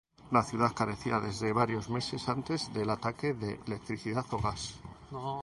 La ciudad carecía desde varios meses antes del ataque de electricidad o gas.